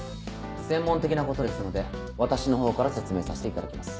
専門的なことですので私の方から説明させていただきます。